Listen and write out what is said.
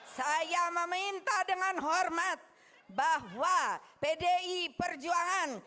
saya meminta dengan hormat bahwa pdi perjuangan